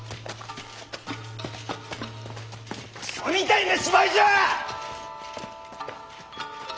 ・くそみたいな芝居じゃあ！